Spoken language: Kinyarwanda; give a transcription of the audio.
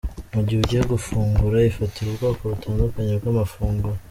Mu gihe ugiye gufungura, ifatire ubwoko butandukanye bw’amafunguro.